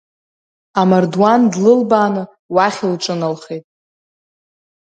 Амардуан длылбааны, уахь лҿыналхеит.